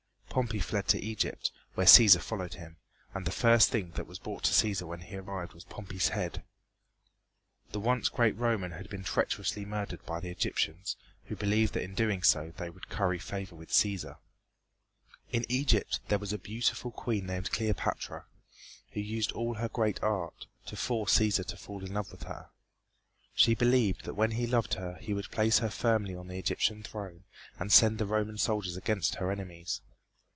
Pompey fled to Egypt, where Cæsar followed him and the first thing that was brought to Cæsar when he arrived was Pompey's head. The once great Roman had been treacherously murdered by the Egyptians, who believed that in so doing they would curry favor with Cæsar. In Egypt there was a beautiful queen named Cleopatra, who used all her great art to force Cæsar to fall in love with her. She believed that when he loved her he would place her firmly on the Egyptian throne and send the Roman soldiers against her enemies.